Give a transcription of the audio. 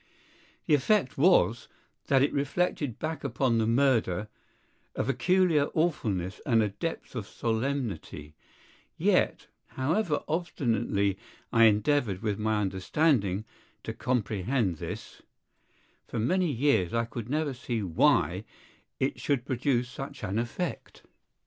The effect was, that it reflected back upon the murder a peculiar awfulness and a depth of solemnity; yet, however obstinately I endeavored with my understanding to comprehend this, for many years I never could see why it should produce such an effect.